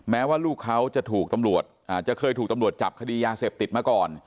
แม้ว่าลูกเขาจะถูกตำรวจจะเคยถูกตำรวจจับคดียาเสพติดมาก่อน